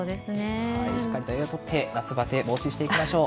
しっかりと栄養を取って夏バテを防止していきましょう。